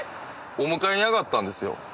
お迎えにあがったんですよ。